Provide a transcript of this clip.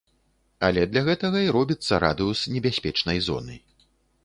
Але для гэтага і робіцца радыус небяспечнай зоны.